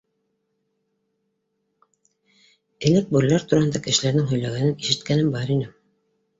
Элек бүреләр тураһында кешеләрҙең һөйләгәнен ишеткәнем бар ине.